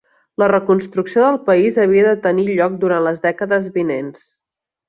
La reconstrucció del país havia de tenir lloc durant les dècades vinents.